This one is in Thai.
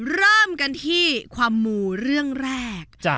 เริ่มกันที่ความมูเรื่องแรก